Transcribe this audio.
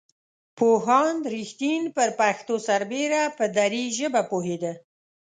پوهاند رښتین پر پښتو سربېره په دري ژبه پوهېده.